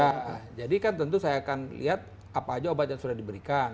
ya jadi kan tentu saya akan lihat apa aja obat yang sudah diberikan